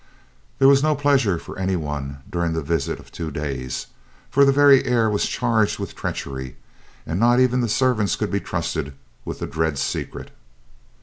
There was no pleasure for any one during that visit of two days, for the very air was charged with treachery, and not even the servants could be trusted with the dread secret.